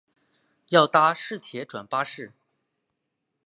要搭市铁转巴士